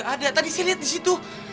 gak ada tadi saya liat di situ